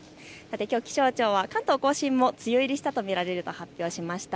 気象庁は関東甲信も梅雨入りしたと見られると発表しました。